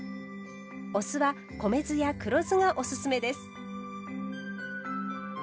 お酢は米酢や黒酢がおすすめです。